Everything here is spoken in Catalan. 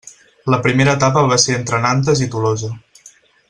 La primera etapa va ser entre Nantes i Tolosa.